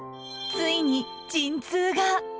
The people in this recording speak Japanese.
ついに陣痛が